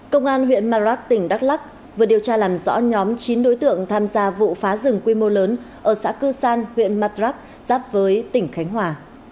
công an huyện madrak tỉnh đắk lắc vừa điều tra làm rõ nhóm chín đối tượng tham gia vụ phá rừng quy mô lớn ở xã cư san huyện madrak giáp với tỉnh khánh hòa